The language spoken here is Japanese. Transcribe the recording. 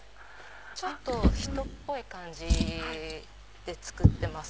ちょっと人っぽい感じで作ってます。